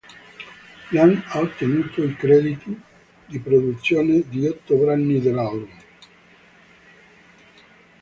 Lang ha ottenuto i crediti di produzione di otto brani dell'album.